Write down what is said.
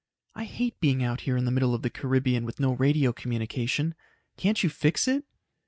"I hate being out here in the middle of the Caribbean with no radio communication. Can't you fix it?"